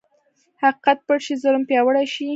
حقیقت پټ شي، ظلم پیاوړی شي.